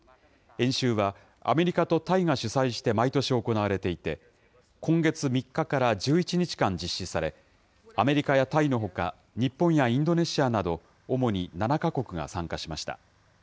演習はアメリカとタイが主催して毎年行われていて、今月３日から１１日間実施され、アメリカやタイのほか、日本やインドネシアなど、主に７か国が参加しました。